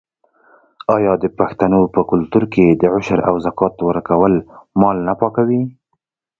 آیا د پښتنو په کلتور کې د عشر او زکات ورکول مال نه پاکوي؟